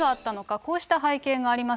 こうした背景があります。